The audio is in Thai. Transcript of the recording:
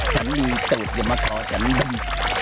ฉันมีตูปอย่ามาขอฉันดึง